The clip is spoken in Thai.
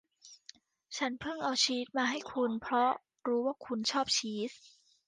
ฉันเพิ่งเอาชีสมาให้คุณเพราะรู้ว่าคุณชอบชีส